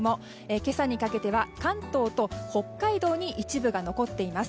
今朝にかけては関東と北海道に一部が残っています。